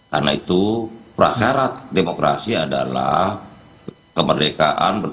karena itu prasyarat demokrasi adalah kemerdekaan berpendapat bersuara termasuk juga kemerdekaan pers